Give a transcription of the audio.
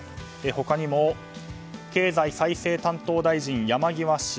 他にも経済再生担当大臣の山際氏